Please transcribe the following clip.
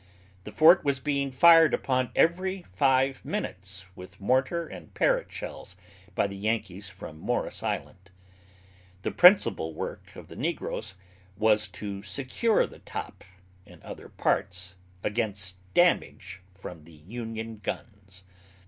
The fort was being fired upon every five minutes with mortar and parrot shells by the Yankees from Morris Island. The principal work of the negroes was to secure the top and other parts against the damage from the Union guns.